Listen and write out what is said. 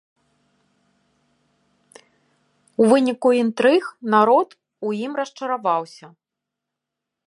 У выніку інтрыг народ у ім расчараваўся.